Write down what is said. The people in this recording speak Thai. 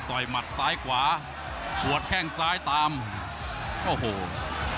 โอโหก้าวรบทำอะไรก็ไม่ถูก